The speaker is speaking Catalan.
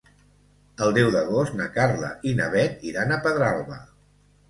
El deu d'agost na Carla i na Bet iran a Pedralba.